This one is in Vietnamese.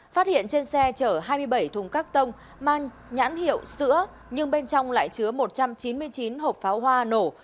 phát hiện trên xe chở hai mươi bảy thùng các tông mang nhãn hiệu sữa nhưng bên trong lại chứa một trăm chín mươi chín hộp pháo hoa nổ